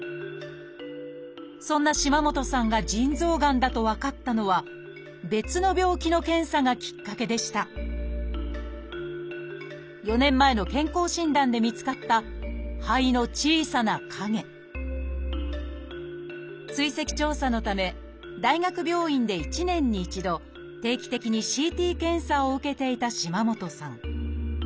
そんな島本さんが腎臓がんだと分かったのは別の病気の検査がきっかけでした４年前の健康診断で見つかった肺の小さな影追跡調査のため大学病院で１年に１度定期的にＣＴ検査を受けていた島本さん。